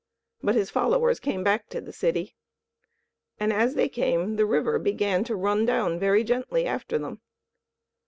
But his followers came back to the city; and as they came the river began to run down very gently after them.